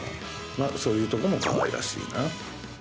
ま、そういうところもかわいらしいな。